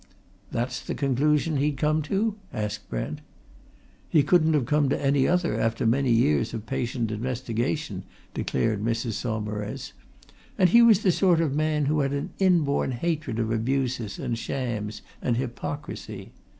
"That's the conclusion he'd come to?" asked Brent. "He couldn't come to any other after many years of patient investigation," declared Mrs. Saumarez. "And he was the sort of man who had an inborn hatred of abuses and shams and hypocrisy!